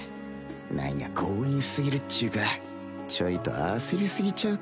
何や強引過ぎるっちゅうかちょいと焦り過ぎちゃうか？